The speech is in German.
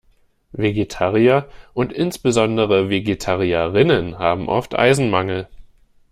Vegetarier und insbesondere Vegetarierinnen haben oft Eisenmangel.